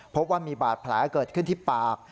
พบว่ามีบาดแผลเกิดขึ้นที่ปาก